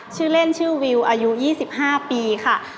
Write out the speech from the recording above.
ชื่อเล่นชื่อวิวอายุ๒๕ปีค่ะ